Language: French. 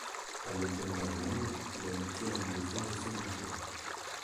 À l'Open d'Allemagne, il aboutit à une défaite au second tour.